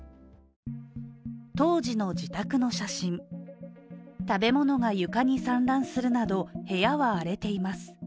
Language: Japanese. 当時の自宅の写真、食べ物が床に散乱するなど、部屋は荒れています。